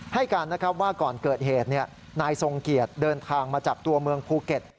ให้การนะครับว่าก่อนเกิดเหตุนายทรงเกียจเดินทางมาจับตัวเมืองภูเก็ต